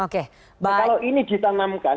kalau ini ditanamkan